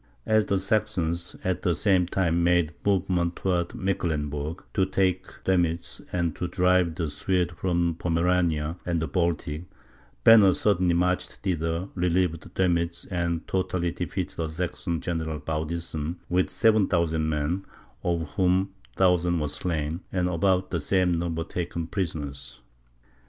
As the Saxons, at the same time, made a movement towards Mecklenburg, to take Doemitz, and to drive the Swedes from Pomerania and the Baltic, Banner suddenly marched thither, relieved Doemitz, and totally defeated the Saxon General Baudissin, with 7000 men, of whom 1000 were slain, and about the same number taken prisoners.